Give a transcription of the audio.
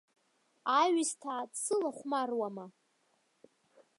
Аҩысҭаа дсылахәмаруама!